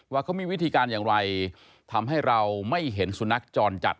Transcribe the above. ว่าเขามีวิธีการอย่างไรทำให้เราไม่เห็นสุนัขจรจัด